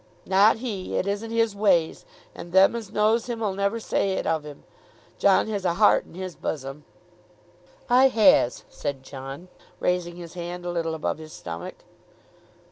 "Not he; it isn't his ways, and them as knows him'll never say it of him. John has a heart in his buzsom." "I has," said John, raising his hand a little above his stomach.